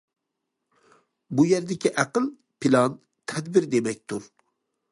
بۇ يەردىكى‹‹ ئەقىل›› پىلان، تەدبىر دېمەكتۇر.